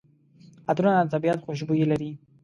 عطرونه د طبیعت خوشبويي لري.